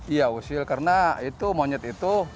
iya usil karena itu monyet itu